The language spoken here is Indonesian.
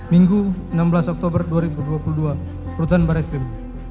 minggu enam belas oktober dua ribu dua puluh dua rutan baris krim